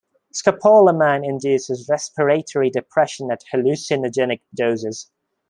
Scopolamine induces respiratory depression at hallucinogenic doses.